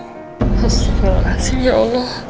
hasil hasil ya allah